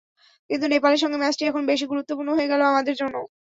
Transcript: কিন্তু নেপালের সঙ্গে ম্যাচটি এখন বেশি গুরুত্বপূর্ণ হয়ে গেল আমাদের জন্য।